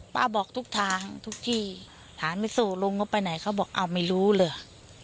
บอกทุกทางทุกที่หาไม่สู้ลุงก็ไปไหนเขาบอกอ้าวไม่รู้เลย